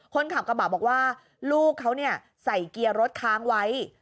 คนขับกระบะบอกว่าลูกเขาใส่เกียร์รถค้างไว้